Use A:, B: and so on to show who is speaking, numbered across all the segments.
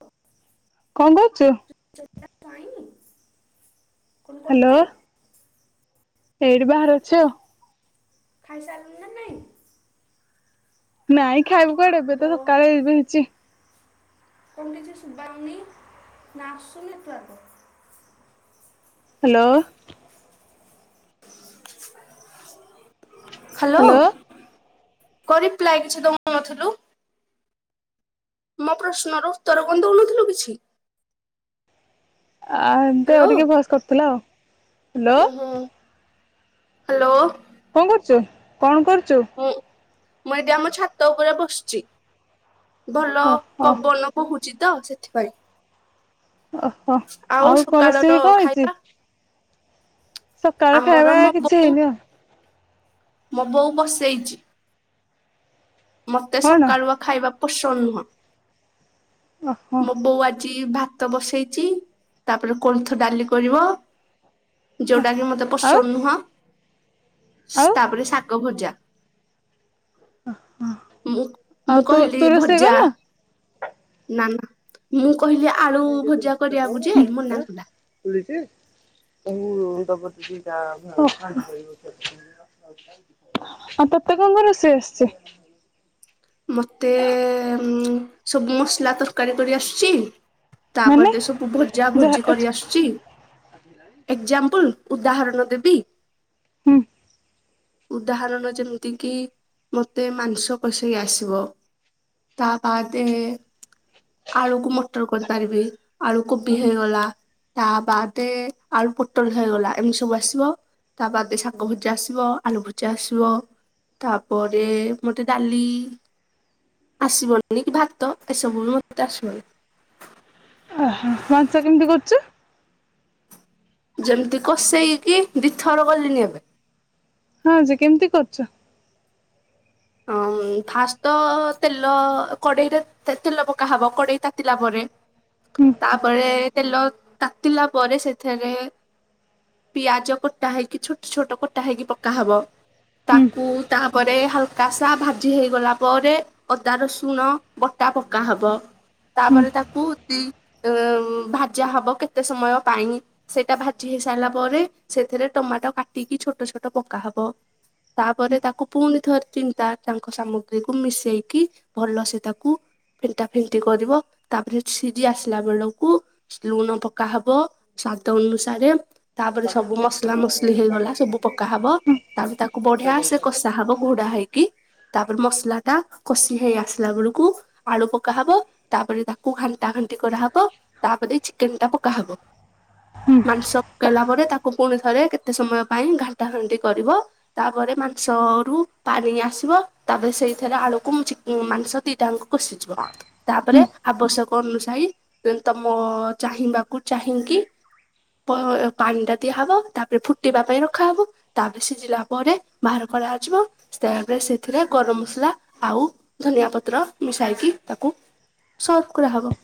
A: ହ
B: କଣ କରୁଚୁ?
A: କ
B: ହ୍ୟାଲୋ
A: କରଚୁ?
B: ଏଇଠି ବାହହାର ଅଛି ଆଉ।
A: ଖାଇସାରିଲୁ ନା ନାଇଁ?
B: ନାଇଁ ଖାଇବକୁ କୁଆଡେ ଏବେ ତ ସକାଳେ ଏବେ ହେଇଚି।
A: କନ କିଛି ସୁୁବା ହଉନି ନା ଆସୁନି ନେଟୱାର୍କ?
B: ହ୍ୟାଲୋ।
A: ହ୍ୟାଲୋ କ ରିପ୍ଲାଏ କିଛି ଦଉ ନଥୁଲୁ? ମୋ ପ୍ରଶ୍ନର ଉତ୍ତର କଣ ଦଉନଥୁଲୁ କିଛି?
B: ଆ ଏମତି
A: ହ୍ୟାଲୋ
B: ଆଉ ଟିକେ ଭସ୍ କଟୁଥିଲା ଆଉ ହ୍ୟାଲୋ।
A: ହଁ ହ୍ୟାଲୋ।
B: କଣ କରୁଚୁ କଣ କରୁଚୁ?
A: ହଁ ମୁଁ ଏଠି ଆମ ଛାତ ଉପରେ ବସିଚି ଭଲ
B: ଓହୋ
A: ପବନ ବହୁଚି ତ ସେଥିପାଇଁ
B: ଓହୋ
A: ଆଉ
B: କଣ ରୋଷେଇ
A: ସକାଳର
B: କଣ ହେଇଛି?
A: ଖାଇବା
B: ସକାଳ
A: ଆମର
B: ଖାଇବା
A: ମୋ
B: କିଛି
A: ବୋଉ
B: ହେଇନି ଆଉ।
A: ମୋ ବୋଉ ବସେଇଚି। ମତେ
B: କଣ?
A: ସକାଳୁଆ ଖାଇବା ପସନ୍ଦ ନୁହଁ।
B: ଓହୋ।
A: ମୋ ବୋଉ ଆଜି ଭାତ ବସେଇଚି ତାପରେ କୋଣଥ ଡାଲି କରିବ। ଯୋଉଟା କି ମତେ
B: ଆଉ
A: ପସନ୍ଦ ନୁହଁ।
B: ଆଉ
A: ତାପରେ ଶାାଗ ଭଜା। ମୁଁ
B: ଆଉ
A: ମୁଁ
B: ତୁ
A: କହିଲି
B: ତୁ ରୋଷେଇ
A: ଭଜା
B: କରିନୁ?
A: ନା ନା ମୁଁ କହିଲି ଆଳୁ ଭଜା କରିବାକୁ ଯେ ମନା କଲା।
B: [unintelligible] ଆଉ ତତେ କଣ ରୋଷେଇ ଆସିଚି?
A: ମତେ ସବୁ ମସଲା ତରକାରୀ କରି ଆସୁଚି। ତାପ
B: ମାନେ
A: ସବୁ ଭଜା
B: ଯାହା
A: ଭଜି
B: ଆଛା
A: କରି ଆସୁଚି। ଏକଜାମ୍ପଲ ଉଦାହରଣ ଦେବି।
B: ହୁଁ।
A: ଉଦାହରଣ ଯେମିତି କିି ମତେ ମାଂସ କସ ଇ ଆସିବ। ତା ବାଦେ ଆଳୁକୁ ମଟର କରିପାରିବି। ଆଳୁ କୋବି ହେଇଗଲା ତା ବାଦ ଆଳୁ ପୋଟଳ ହେଇଗଲା ଏମିତି ସବୁ ଆସିବ। ତା ବାଦ ଶାଗ ଭୁଜା ଆସିବ ଆଳୁ ଭୁଜା ଆସିବ। ତାପରେ ମତେ ଡାଲି। ଆସିବନି କି ଭାତ ଏସବୁ ବି ମତେ ଆସିବନି।
B: ଆହା ମାଂସ କେମିତି କରୁଛୁ?
A: ଯେମିତି କଷେଇକିି ଦି ଥର ଗଲିଣିି ଏବେ।
B: ହଁ ଯେ କେମିତି କରୁଛ?
A: ଉଁ ଫାଷ୍ଟ ତ ତେଲ କଡ଼େଇରେ ତେ ତେଲ ପକା ହବ କଡ଼େଇ ତାତିଲା ପରେ
B: ହୁଁ
A: ତାପରେ ତେଲ ତାତିଲା ପରେ ସେଥେରେ ପିଆଜ କଟା ହେଇକି ଛୋଟ ଛୋଟ କଟା ହେଇକି ପକାହବ।
B: ହୁଁ
A: ତାକୁ ତାହା ପରେ ହାଲକ କାଶା ଭାଜି ହେଇଗଲା ପରେ ଅଦା ରସୁଣ ବଟା ପକା ହବ।
B: ହୁଁ
A: ତାପରେ ତାକୁ ତି ଭାଜା ହବ କେତେ ସମୟ ପାଇଁ ସେଇଟା ଭାଜି ହେଇ ସାରିଲା ପରେ ସେଥିରେ ଟମାଟୋ କାଟିକି ଛୋଟ ଛୋଟ ପକା ହବ। ତାପରେ ତାକୁ ପୁଣିଥରେ କିନ୍ତା ତାଙ୍କ ସାମଗ୍ରୀକୁୁ ମିଶେଇକି ଭଲ ସେ ତାକୁ। ଫେଣ୍ଟା ଫେଣ୍ଟି କରିବ ତାପରେ ସିଜି ଆସିଲା ବେଳକୁ ଲୁଣ ପକାହବ ସ୍ଵାଦ ଅନୁସାରେ ତାପରେ ସବୁ ମସଲା ମସଲି ହେଇଗଲା ସବୁ ପକା ହବ ତାପ ତାକୁ ବଢିଆ ସେ କସା ହବ ଘୋଡା ହେଇକି। କି ତାପରେ ମସଲା ଟା କଷି ହେଇ ଆସିଲା ବେଳୁକୁ ଆଳୁ ପକା ହବ ତାପରେ ତାକୁ ଘାନ ତାପରେ ଏମିତି କରାହବ ତାପରେ ଚିକେନ ଟା ପକା ହବ
B: ହୁଁ
A: ମାଂସ କେଲା ପରେ ତାକୁ ପୁଣି ରେ କେତେ ସମୟ ପାଇଁ ଘାଣ୍ଟା ହାଣ୍ଟି କରିବ ତାପରେ ମାଂସ ରୁ ପାଣି ଆସିବ ତାପରେ ସେଇଥିରେ ଆଳୁକୁ ଚିକ ମାଂସ ଦିଟାଙ୍କୁ କଷିଯିବ।
B: ହୁଁ
A: ତାପରେ ଆବଶ୍ୟକ ଅନୁସାୟୀ ତମ ଚାହିଁବାକୁ ଚାହିଁକି ପ ପାଣି ଟା ଦିଆହବ ତାପରେ ଫୁଟିବା ପାଇଁ ରଖାହବ ତାପରେ ସିଯିଲା ପରେ ବାହାର କରାଯିବ ସେ ରେ ସେଥିରେ ଗରମ ମସଲା ଆଉ ଧନିଆ ପତ୍ର ମିଶାଇକି ତାକୁ ସଲଭ କରା ହବ।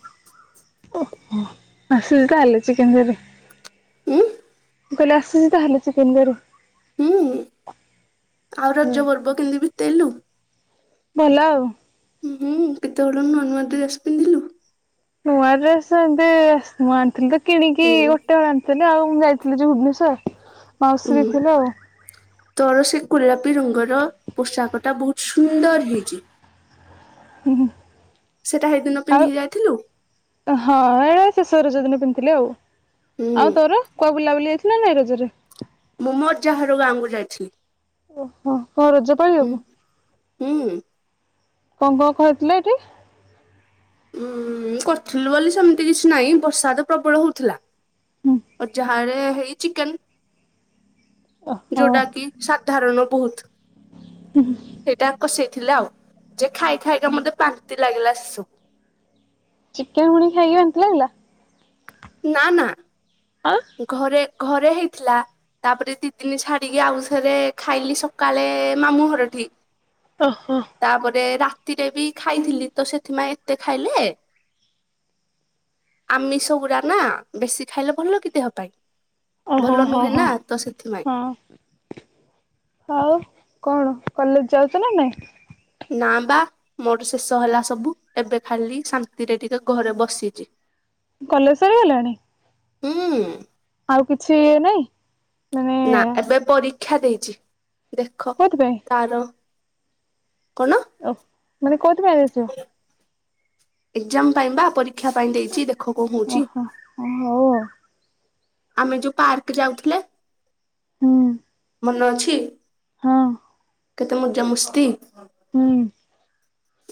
B: ଓ ହ ହ ସେ କାଲେ ଚିକନ କରି
A: ଉଁ
B: ମୁଁ କହିଲେ ଆସଛିି ତାହେଲେ ଚିକେନ କର
A: ହୁଁ ଆଉ
B: ହଁ
A: ରଜ ପର୍ବ କେମିତି ବିତେଇଲୁ?
B: ଭଲ ଆଉ।
A: ହୁଁ ହୁ କେତେହଳ ନୂଆ ନୂଆ ଡ୍ରେସ ପିନ୍ଧିଲୁ?
B: ନୂଆ ଡ୍ରେସ ଏବେ ମୁଁ ଆଣିଥିଲି ତ କିଣିକି
A: ହୁଁ।
B: ଗୋଟେ ହଳ ହେ ଆଉ ମୁଁ ଯାଇଥିଲି ଯେ ଭୁବନେଶ୍ଵର
A: ଉଁ
B: ମାଉସୀରେ ଦେଇ ଥିଲେ ଆଉ
A: ତୋର ସେ ଗୋଲାପି ରଙ୍ଗର ପୋଷାକ ଟା ବହୁତ ସୁନ୍ଦର ହେଇଛି।
B: ହୁଁ ହୁଁ
A: ସେଟା ହେଇ ଦିନ ପିନ୍ଧି ହେଇ ଯାଇଥିଲୁ?
B: ହଁ ଏୟା ଶେଷରେଜ ଦିନ ପିନ୍ଧିଥିଲି ଆଉ
A: ହୁଁ
B: ଆଉ ତୋର କୁଆ ବୁଲାବୁଲି ନା ନା ଏ ରଜରେ
A: ମୁଁ ମୋ ଅଜାଘର ଗାଁକୁ ଯାଇଛି।
B: ଓହୋ କଣ ରଜ ପାଳିବାକୁ?
A: ହୁଁ
B: କଣ କଣ କହିଥିଲେ ଏଠି?
A: ଉଁ କରିଥିଲୁ ବୋଲି ସେମିତି କିଛି ନାଇଁ। ବର୍ଷାତ ପ୍ରବଳ ହୋଉଥିଲା।
B: ହୁଁ
A: ଅଜା ଘରେ ହେଇ ଚିକେନ୍
B: ଓହୋ
A: ଯୋଉଟା କି ସାଧାରଣ ବହୁତ୍
B: ହୁଁ ହୁଁ।
A: ସେଇଟା କଷେଇଥିଲା ଆଉ। ଯେ ଖାଇ ଖାଇକା ମୋତେ ବାନ୍ତି ଲାଗିଲା ସେସୁ।
B: ଚିକେନ୍ ପୁଣି ଖାଇକି ବାନ୍ତି ଲାଗିଲା?
A: ନା ନା।
B: ଆଉ
A: ଘରେ ଘରେ ହେଇଥିଲା। ତାପରେ ଦି ଦିନି ଛାଡିକି ଆଉ ଥରେ ଖାଇଲି ସକାଳେ ମାମୁଁ ଘରଠି।
B: ଓହୋ।
A: ତାପରେ ରାତିରେ ବି ଖାଇଥିଲି। ତ ସେଥିପାଇଁ ଏତେ ଖାଇଲେ ଆମିଷଗୁଡା ନା? ବେଶୀ ଖାଇଲେ ଭଲ କି ଦେହ ପାଇଁ? ଭଲ ନୁହେଁ ନା ତ ସେଥିପାଇଁ।
B: ଅଁ। ଆଉ କଣ? କଲେଜ ଯାଉଚ ନାଁ ନାଇଁ?
A: ନା ବା ମୋର ଶେଷ ହେଲା ସବୁ। ଏବେ ଖାଲି ଶାନ୍ତିରେ ଟିକିଏ ଘରେ ବସିଚି।
B: କଲେଜ ସରିଗଲାଣି?
A: ହୁଁ।
B: ଆଉ କିଛି ନାଇଁ? ମାନେ
A: ନା ଏବେ ପରୀକ୍ଷା ଦେଇଛି ଦେଖ
B: କୋଉଥିପାଇଁ?
A: ତାର କଣ?
B: ଓ ମାନେ କୋଉଥିପାଇଁ ଦେଇଚ?
A: ଏକ୍ଜାମ ପାଇଁ ବା ପରୀକ୍ଷା ପାଇଁ ଦେଇଚି ଦେ
B: ଓହୋ ହଁ ହୋଉ ଆଉ।
A: ଆମେ ଯୋଉ ପାର୍କ ଯାଉଥିଲେ?
B: ହୁଁ।
A: ମନ ଅଛି?
B: ହଁ।
A: କେତେ ମଜାମସ୍ତି।
B: ହୁଁ।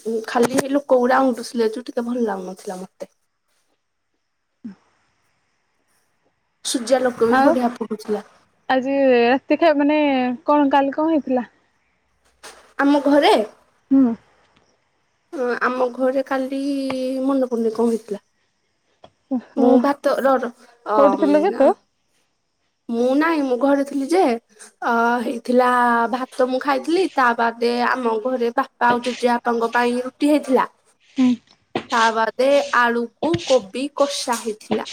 A: ଉ ଖାଲି ଲୋକ ଗୁଡା ଉଁଣ୍ଡୁଥିଲେ ଯୋଉ ଟିକିଏ ଭଲ ଲାଗୁନଥିଲା ମତେ।
B: [inaudible]
A: ସୂର୍ଯ୍ୟା ଲୋକ ବି
B: ଆଉ
A: ବଢିଆ ପଡୁଥିଲା।
B: ଆଜି ରାତିରେ ମାନେ କଣ କାଲି କଣ ହେଇଥିଲା?
A: ଆମ ଘରେ?
B: ହୁଁ।
A: ଆମ ଘରେ କାଲି ମନେ ପଡୁନି କଣ ହେଇଥିଲା।
B: ଓହୋ
A: ମୁଁ ଭାତ ରହ ରହ
B: କୋଉଠି ଥିଲୁ କି
A: ଅମଆ।
B: ତୁ?
A: ମୁଁ ନାଇଁ ମୁଁ ଘରେ ଥିଲି ଯେ ଅ ହେଇଥିଲା ଭାତ ମୁଁ ଖାଇଥିଲି ତା ବାଦ ଦେ ଆମ ଘରେ ବାପା ଆଉ ଜେଜେବାପାଙ୍କ ପାଇଁ ରୁଟି ହେଇଥିଲା।
B: ହୁଁ।
A: ତା ବାଦେ ଆଳୁକୁ କୋବି କଷା ହେଇଥିଲା।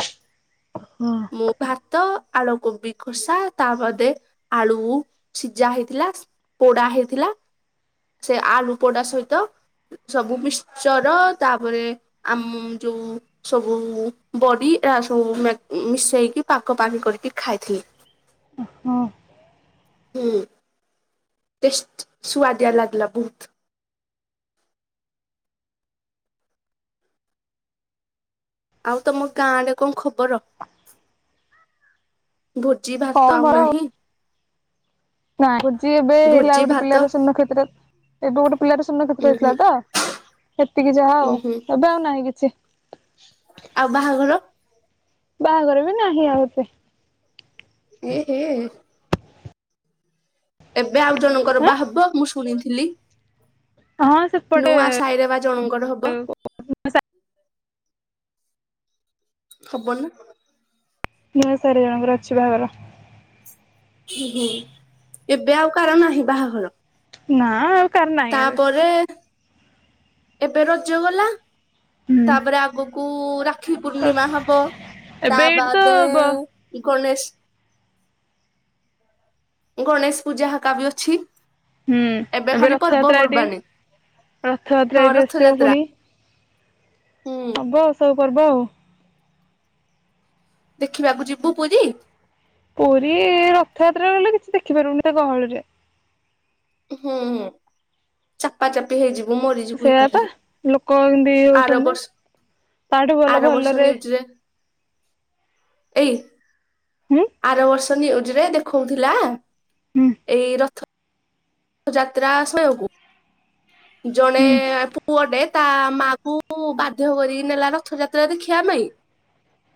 B: ହଁ।
A: ମୁଁ ଭାତ, ଆଳୁକୋବି କଷା ତାବାଦେ ଆଳୁ ସିଝା ହେଇଥିଲା, ପୋଡା ହେଇଥିଲା। ସେ ଆଳୁ ପୋଡା ସହିତ ସବୁ ମିକ୍ଚର, ତାପରେ ଆମ ଯୋଉ ସବୁ ବଡି ସବୁ ଏହା ସବୁ ମେ ମିଶେଇକି ପାଗ ପାଣି କରିକି ଖାଇଥିଲି।
B: ହଁ
A: ହୁଁ ଟେଷ୍ଟ, ସୁଆଦିଆ ଲାଗଲା ବହୁତ୍। ଆଉ ତମ ଗାଁ ରେ କଣ ଖବର? ଭୋଜି
B: କଣ
A: ଭାତ ଆଉ
B: ଭଲ
A: ନାହିଁ।
B: ନାଇଁ ଭୋଜି ଏବେ ହେଲା
A: ଭୋଜି
B: ଗୋଟେ
A: ଭାତ
B: ପିଲାର ସ୍ବର୍ଣ୍ଣକ୍ଷେତ୍ର। ଏବେ ଗୋଟେ ପିଲାର ସ୍ବର୍ଣ୍ଣକ୍ଷେତ୍ର
A: ଉୁଁ
B: ହେଇଥିଲା
A: ହୁଁ
B: ତ ସେତିକି ଯାହା
A: ଉୁଁ
B: ଆଉ,
A: ହୁଁ
B: ଏବେ ଆଉ ନାହିଁ କିଛି।
A: ଆଉ ବାହାଘର?
B: ବାହାଘର ବି ନାହିଁ ଆଉ ଏତେ।
A: ଏ ହେ। ଏବେ ଆଉ ଜଣଙ୍କର
B: ଆଁ
A: ବାହାହବ ମୁଁ ଶୁଣିଥିଲି।
B: ହଁ ସେପଟେ
A: ନୂଆ ସାଇରେ ବା ଜଣଙ୍କର ହବ। ହବନା।
B: ଚାରି ଜଣଙ୍କର ଅଛି ବାହାଘର।
A: ହୁଁ ହୁଁ, ଏବେ ଆଉ କାହାର ନାହିଁ ବାହାଘର।
B: ନା। କାର ନାହିଁ ଏବେ
A: ତାପରେ ଏବେ ରଜ ଗଲା।
B: ହୁଁ
A: ତାପରେ ଆଗକୁ ରାକ୍ଷୀ ପୂର୍ଣ୍ଣିମା ହବ, ତା
B: ଏବେ ଏଇଠି ତ
A: ବାଦେ
B: ହୁଁ
A: ଗଣେଶ ଗଣେଶ ପୂଜା ହେକା ବି ଅଛି। ଏବେ ଖାଲି
B: ରଥଯାତ୍ରା ଏଠି
A: ପର୍ବପର୍ବାଣି।
B: ରଥଯାତ୍ରା
A: ହଁ,
B: ଏଇଠି ଆସିବ
A: ରଥଯାତ୍ରା।
B: ପୁଣି
A: ହୁଁ।
B: ହବ ସବୁ ପର୍ବ ଆଉ।
A: ଦେଖିବାକୁ ଯିବୁ ପୁରୀ।
B: ପୁରୀ ରଥଯାତ୍ରାରେ ଗଲେ କିଛି ଦେଖିପାରୁନି ଏତେ ଗହଳିରେ।
A: ହୁଁ ହୁଁ ଚାପା ଚାପି ହେଇଯିବୁ, ମରିଯିବୁ
B: ସେଇଆ ପା
A: ଏକାଥରେ।
B: ଲୋକ ଏମିତି ହଉଛନ୍ତି
A: ଆରବର୍ଷ,
B: ତାଠୁ ଭଲ
A: ଆରବର୍ଷ
B: ଭଲରେ
A: ନିଉଜରେ ଏଇ
B: ହୁଁ
A: ଆରବର୍ଷ ନିଉଜରେ ଦେଖଉଥିଲା।
B: ହୁଁ
A: ଏଇ ରଥ ଯାତ୍ରା ସମୟକୁ ଜଣେ
B: ହୁଁ
A: ପୁଅଟେ ତା ମା କୁ ବାଧ୍ୟ କରିକି ନେଲା ରଥଯାତ୍ରା ଦେଖିବା ପାଇଁ।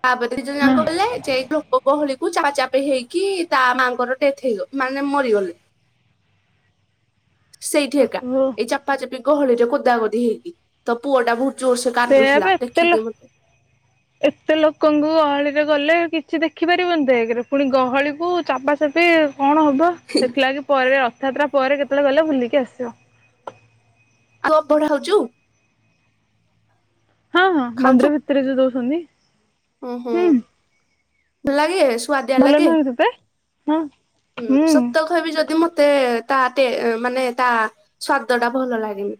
A: ତାପରେ
B: ହଁ
A: ଦିଜଣଯାଙ୍କ ଗଲେ। ଗହଳିକୁ ଚାପା ଚାପି ହେଇକି ତା ମାଆଙ୍କର ଡେଥ ହେଇଗଲା। ମାନେ ମରିଗଲେ। ସେଇଠି ଏକା,
B: ଓହୋ
A: ଏଇ ଚାପାଚପି ଗହଳିରେ କୋଦା କୋଦି ହେଇକି। ତ ପୁଅ ଟା ବୋହୁ
B: ସେଇଆ ବା ଏତେ ଲୋ
A: ହ [inaudible]
B: ଲୋକଙ୍କ ଗହଳିରେ ଗଲେ କିଛି ଦେଖିପାରିବନି ତ ଏକରେ। ପୁଣି ଗହଳିକୁ ଚାପାଚାପି କଣ ହବ? ସେଥିଲାଗି ପରେ ରଥଯାତ୍ରା ପରେ କେତେବେଳେ ଗଲେ ବୁଲିକି ଆସିବ।
A: ଆଉ ଅବଢା [unintelligible]
B: ହଁ ହଁ ମନ୍ଦିର ଭିତରେ ଯୋ ଦଉଛନ୍ତି।
A: ଓୁଁ ହୁଁ ଲାଗେ ସୁଆଦିଆ
B: ଭଲ
A: ଲାଗେ।
B: ନୁହେଁ କି ତତେ? ହୁଁ।
A: ହୁଁ ସତ କହିବି ଯଦି ମତେ ତା ତେ ମାନେ ତା ସ୍ଵାଦ ଟା ଭଲ ଲାଗେନି।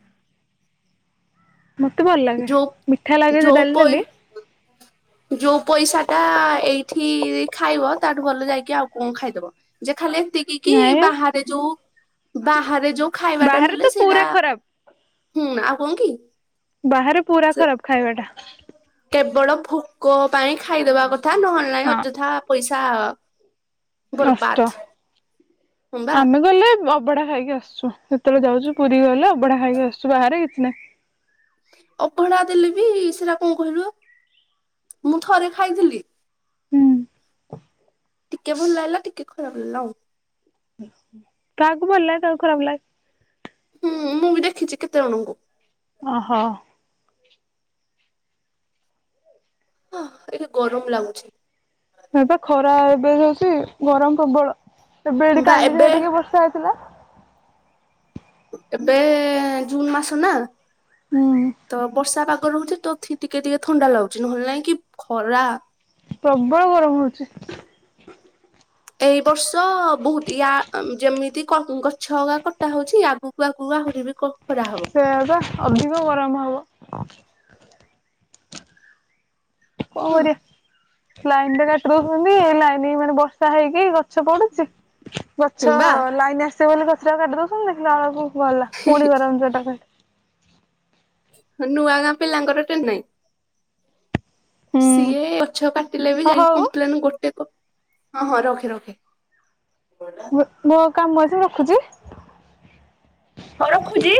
B: ମତେ ଭଲ ଲାଗେ ମିଠା ଲାଗେ ଜୋ ଡାଲି ଡାଲି
A: ହ। [inaudible] ଯୋଉ ପଇସା ଟା ଏଇଠି ଖାଇବ ତାଠୁ ଭଲ ଯାଇକି ଆଉ କଣ ଖାଇଦବ। ଯେ ଖାଲି ଏତିକିକି
B: ନାଇଁ
A: ବାହାରେ ଯୋଉ ବାହାରେ ଯୋ ଖାଇବା ଟା
B: ବାହାରେ ତ
A: ମିଲେ ସେଇଟା
B: ପୁରା ଖରାପ
A: ହୁଁ ଆଉ କଂ କି?
B: ବାହାରେ ପୁରା
A: ସେ
B: ଖରାପ ଖାଇବା ଟା।
A: କେବଳ ଭୋକ ପାଇଁ ଖାଇଦବା କଥା ନହେଲେ ନାହିଁ
B: ହଁ
A: ଅଯଥା ପଇସା
B: ନଷ୍ଟ।
A: ବର୍ବାଦ। ହଁ ବା
B: ଆମେ ଗଲେ ଅବଢା ଖାଇକି ଆସୁ। ସୁ ସେତେବେଳେ ଯାଉଛୁ ପୁରୀ ଗଲେ ଅବଢା ଖାଇକି ଆସଛୁ ବାହାରେ କିଛି ନାହିଁ।
A: ଅବଢା ଦେଲେ ବି ସେଇଟା କଣ କହିଲୁ ମୁଁ ଥରେ ଖାଇଥିଲି।
B: ହୁଁ।
A: ଟିକେ ଭଲ ହେଲା ଟିକେ ଖରାପ ଲାଗିଲା ଆଉ।
B: କାହାକୁ ଭଲଲାଟ ଖରାପ ଲାଗେ।
A: ହୁଁ ମୁଁ ବି ଦେଖିଛି କେତେ ଜଣଙ୍କୁ।
B: ଓହୋ।
A: ହଁ ଏ ଗରମ ଲାଗୁଛି।
B: ନା ବା ଖରା ଏବେ ହଉଛି ଗରମ ପ୍ରବଳ ଏବେ ଏଠି
A: ବା
B: କାଲି
A: ଏବେ
B: ଯାହା ଟିକେ ବର୍ଷା ହେଇଥିଲା।
A: ଏବେ ଜୁନ ମାସ ନା
B: ହୁଁ
A: ତ ବର୍ଷା ପାଗ ହଉଛି ତ ଥି ଟିକେ ଟିକେ ଥଣ୍ଡା ଲାଗୁଛି ନହେଲେ ନାଇଁ କି ଖରା।
B: ପ୍ରବଳ ଗରମ ହଉଛି।
A: ଏଇ ବର୍ଷ ବହୁତ ୟା ଯେମିତି ଗଛ ଅଗା କଟା ହଉଛି ଆଗକୁ ଆଗକୁ ଆହୁରି ବି ଖରା ହବ।
B: ସେ ବା ଅଧିକ ଗରମ ହେବ। କଣ କରିବା? ଲାଇନ ଟା କାଟବ ବୋଲି ଏଇ ଲାଇନ ମାନେ ବର୍ଷା ହେଇକି ଗଛ ପଡୁଛି।
A: ହଁ
B: ଗଛ
A: ବା
B: ଲାଇନ ଆସିବେ ବୋଲି ଗଛଟା କାଟି ଦଉଛନ୍ତିୁ ଦେଖିଲା ବେଳକୁ ଗଲା ପୁଣି ଗରମ ସେଟା।
A: ନୂଆ ଗାଁ ପିଲାଙ୍କର ଟେନ ନାଇଁ।
B: ହୁଁ
A: ସିଏ ଗଛ କାଟିଲେ ବି
B: ହ
A: ଯାଇକି
B: ହଉ
A: କମ୍ପିନ ଗୋଟେ କ ହଁ ହଁ ରଖେ ରଖେ।
B: ମୋ କାମ ଆସି ରଖୁଛି।
A: ହଁ ରଖୁଛି।